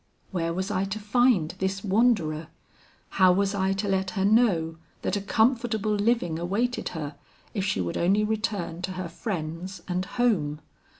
Where was I to find this wanderer? How was I to let her know that a comfortable living awaited her if she would only return to her friends and home?